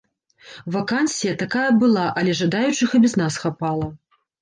Вакансія такая была, але жадаючых і без нас хапала.